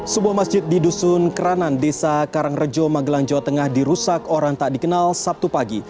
sebuah masjid di dusun kranan desa karangrejo magelang jawa tengah dirusak orang tak dikenal sabtu pagi